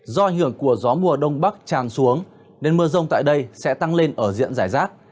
do ảnh hưởng của gió mùa đông bắc tràn xuống nên mưa rông tại đây sẽ tăng lên ở diện giải rác